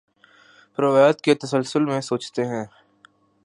وہ روایت کے تسلسل میں سوچتے ہیں۔